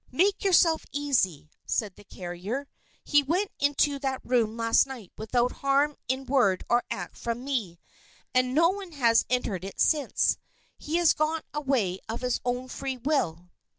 "Make yourself easy," said the carrier. "He went into that room last night without harm in word or act from me, and no one has entered it since. He has gone away of his own free will."